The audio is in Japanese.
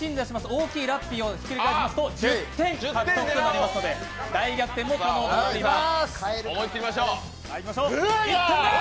大きいラッピーをひっくり返しますと、１０点獲得となりますので大逆転も可能となります。